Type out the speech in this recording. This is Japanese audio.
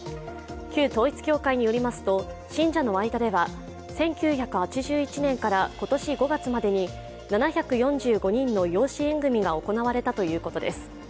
旧統一教会によりますと、信者の間では１９８１年から今年５月までに７４５人の養子縁組が行われたということです。